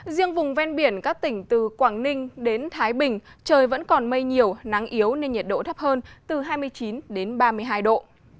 riêng vùng ven biển các tỉnh từ quảng ninh đến thái bình trời vẫn còn mây nhiều nắng yếu nên nhiệt độ thấp hơn từ hai mươi chín đến ba mươi hai độ